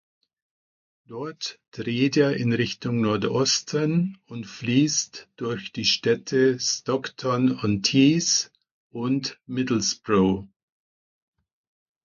Dort dreht er in Richtung Nordosten und fließt durch die Städte Stockton-on-Tees und Middlesbrough.